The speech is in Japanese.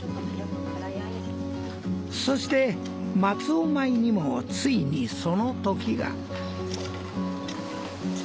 そして松尾米にもついにその時が。